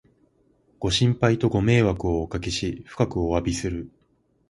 ご心配とご迷惑をおかけし、深くおわびする